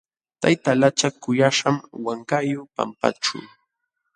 Tayta lachak kuyaśhqam wankayuq pampaćhu.